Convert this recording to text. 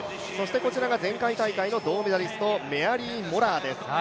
こちらが前回大会の銅メダリスト、メアリー・モラアです。